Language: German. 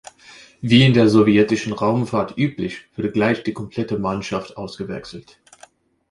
Wie in der sowjetischen Raumfahrt üblich wurde gleich die komplette Mannschaft ausgewechselt.